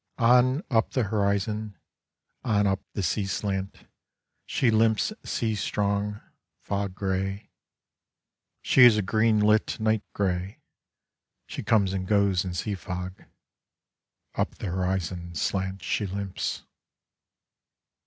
On up the horizon, On up the sea slant. She limps sea strong, fog gray. She is a green lit night gray. She comes and goes in sea fog. Up the horizon slant she limps.